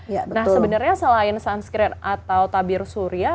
nah sebenarnya selain sunscreen atau tabir surya